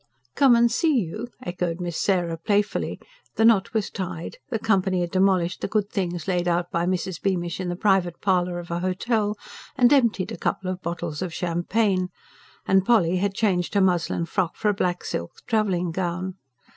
"Come and see you?" echoed Miss Sarah playfully: the knot was tied; the company had demolished the good things laid out by Mrs. Beamish in the private parlour of an hotel, and emptied a couple of bottles of champagne; and Polly had changed her muslin frock for a black silk travelling gown.